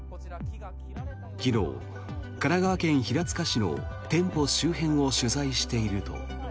昨日、神奈川県平塚市の店舗周辺を取材していると。